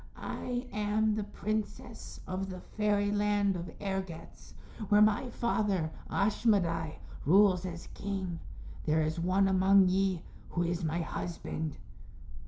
I am the princess of the Fairyland of Ergetz where my father, Ashmedai, rules as king. There is one among ye who is my husband."